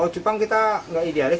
cupang kita tidak idealis